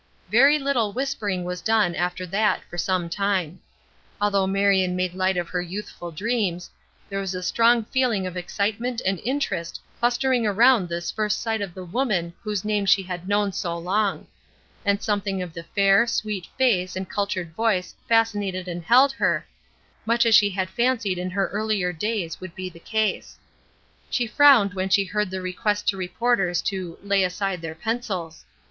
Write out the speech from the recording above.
Very little whispering was done after that for some time. Although Marion made light of her youthful dreams, there was a strong feeling of excitement and interest clustering around this first sight of the woman whose name she had known so long; and something in the fair, sweet face and cultured voice fascinated and held her, much as she had fancied in her earlier days would be the case. She frowned when she heard the request to reporters to "lay aside their pencils."